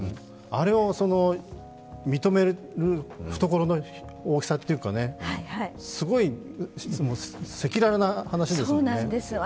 あれを認める懐の大きさというか、すごい、赤裸々な話ですよね。